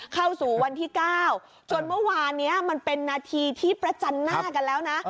เข้าสู่วันที่๙จนเมื่อวานนี้มันเป็นนาทีที่ประจันหน้ากันแล้วนะ